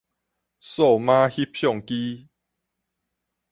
數碼翕相機